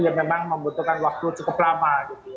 yang memang membutuhkan waktu cukup lama